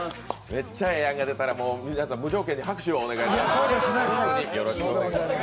「めっちゃええやん」が出たらもう皆さん、無条件に拍手をお願いします。